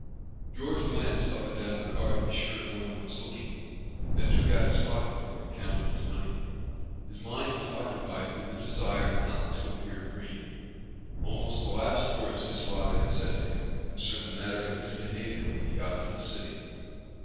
George glanced up and down the car to be sure no one was looking, then took out his pocket book and counted his money. His mind was occupied with a desire not to appear green. Almost the last words his father had said to him concerned the matter of his behavior when he got to the city.